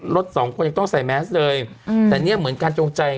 สองคนยังต้องใส่แมสเลยแต่เนี่ยเหมือนการจงใจ